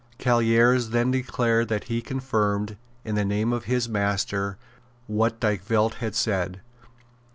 Callieres then declared that he confirmed, in the name of his master, what Dykvelt had said.